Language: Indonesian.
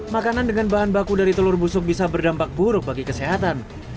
makanan dengan bahan baku dari telur busuk bisa berdampak buruk bagi kesehatan